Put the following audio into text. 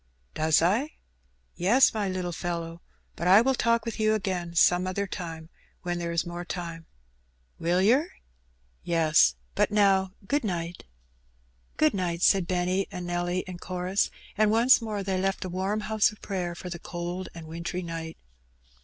"Does I?" "Yes, my little fellow. But I will talk with you again some other time, when there is more time." "Will yer?" Two Visits. 75 ''Yes; but now good night/' ''Good night,'* said Benny and Nelly in chorus, and once more they left the warm house of prayer for the cold and 'wintry street.